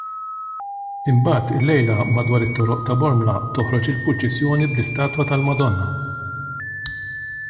Imbagħad illejla madwar it-toroq ta' Bormla toħroġ purċissjoni bl-istatwa tal-Madonna.